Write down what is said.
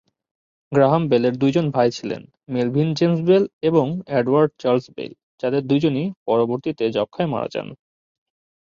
Graham বেলের দুইজন ভাই ছিলেন মেলভিল জেমস বেল এবং এডওয়ার্ড চার্লস বেল যাদের দুজনই পরবর্তীতে যক্ষ্মায় মারা যান।